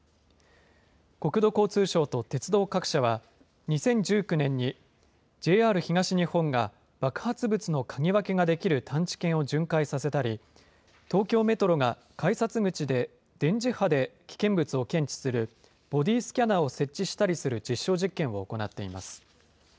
国土交通省と鉄道各社は、２０１９年にＪＲ東日本が爆発物の嗅ぎ分けができる探知犬を巡回させたり、東京メトロが改札口で電磁波で危険物を検知する、ボディースキャナーを設置したりする実証実験を行っています。